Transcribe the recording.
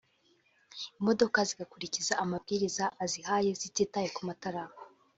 imodoka zigakurikiza amabwiriza azihaye zititaye ku matara